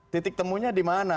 titik temunya di mana